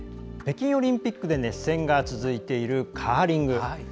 北京オリンピックで熱戦が続いているカーリング。